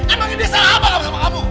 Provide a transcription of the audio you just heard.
emang ini salah apa sama kamu